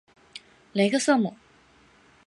雷克瑟姆。